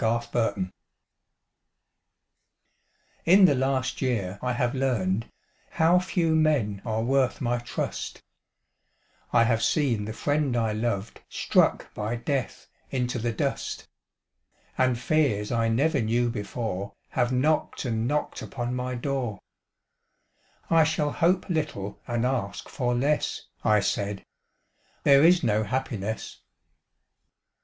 Red Maples In the last year I have learned How few men are worth my trust; I have seen the friend I loved Struck by death into the dust, And fears I never knew before Have knocked and knocked upon my door "I shall hope little and ask for less," I said, "There is no happiness."